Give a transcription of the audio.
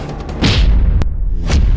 putri budi bener jalan bener